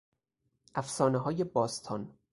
افسانههای باستان